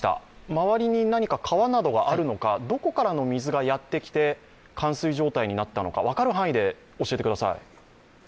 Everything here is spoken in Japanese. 周りに何か川などがあるのかどこからの水がやってきて、冠水状態になったのか、分かる範囲で教えてください。